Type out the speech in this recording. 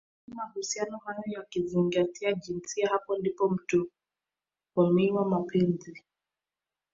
lakini mahusiano hayo yakizingatia jinsia hapo ndipo mtuhumiwa Mapenzi